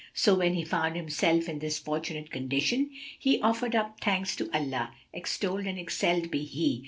So, when he found himself in this fortunate condition, he offered up thanks to Allah (extolled and excelled be He!)